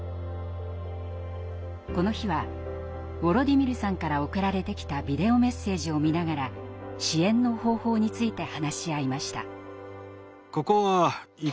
この日はウォロディミルさんから送られてきたビデオメッセージを見ながら支援の方法について話し合いました。